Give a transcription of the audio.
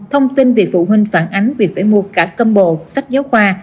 thông tin về phụ huynh phản ánh việc phải mua cả combo sách giáo khoa